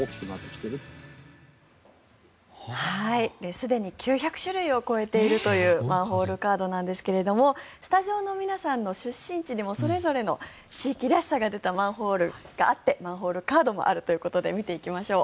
すでに９００種類を超えているというマンホールカードなんですけれどもスタジオの皆さんの出身地にもそれぞれの地域らしさが出たマンホールがあってマンホールカードもあるということで見ていきましょう。